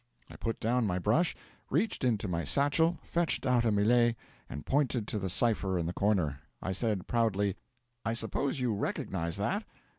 'I put down my brush, reached into my satchel, fetched out a Millet, and pointed to the cipher in the corner. I said, proudly: '"I suppose you recognise that?